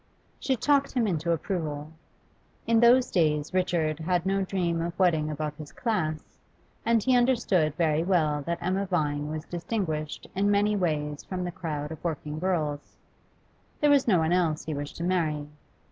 She talked him into approval. In those days Richard had no dream of wedding above his class, and he understood very well that Emma Vine was distinguished in many ways from the crowd of working girls. There was no one else he wished to marry.